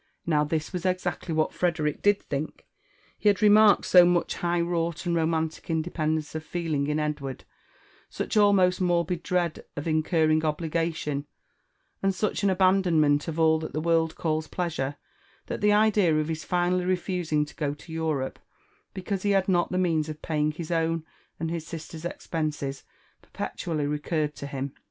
Now this was exactly what Fredoriek did think : he had remai4[ed io mttdihi^ wrooglit andromanticlndependenoe of feeling in Edward, such almost morbid dreafd of ineurring obligation, a»d such an aban * denment of all that tke world oaHs pleasure, that the idea of his finally pefiisifig tgr go to Europe, beeanse he had not the means of paying his own and his sister's expenses, perpetually recurred to him.